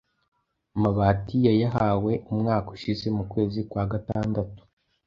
amabati yayahawe umwaka ushize mu kwezi kwa gatandatu,